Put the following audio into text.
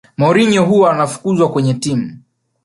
mourinho huwa anafukuzwakwenye timu